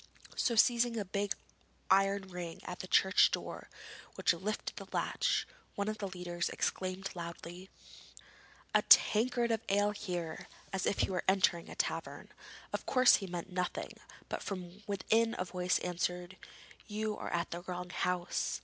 So seizing the big iron ring on the church door which lifted the latch, one of the leaders exclaimed loudly: 'A tankard of ale here!' as if he was entering a tavern. Of course he meant nothing, but from within a voice answered: 'You are at the wrong house.'